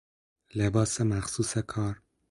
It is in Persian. لباس مخصوص کار